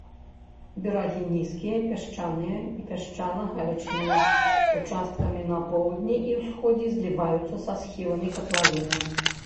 Берагі нізкія, пясчаныя і пясчана-галечныя, участкамі на поўдні і ўсходзе зліваюцца са схіламі катлавіны.